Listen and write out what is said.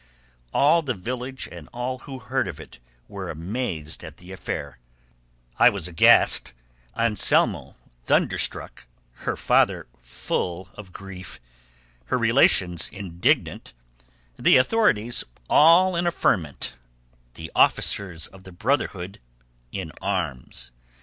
All the village and all who heard of it were amazed at the affair; I was aghast, Anselmo thunderstruck, her father full of grief, her relations indignant, the authorities all in a ferment, the officers of the Brotherhood in arms.